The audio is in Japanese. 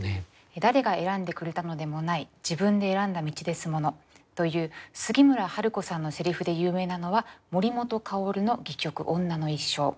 「“誰が選んでくれたのでもない自分で選んだ道ですもの”という杉村春子さんの台詞で有名なのは森本薫の戯曲『女の一生』。